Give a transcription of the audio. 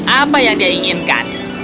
apa yang dia inginkan